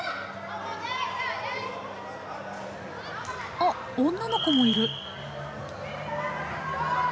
あっ女の子もいる。